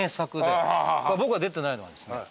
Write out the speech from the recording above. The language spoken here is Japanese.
僕は出てないのはですね